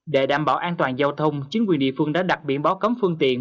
để đảm bảo an toàn giao thông chính quyền địa phương đã đặt biển báo cấm phương tiện